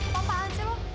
kau apaan sih lo